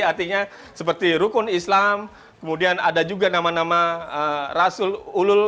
artinya seperti rukun islam kemudian ada juga nama nama rasulullah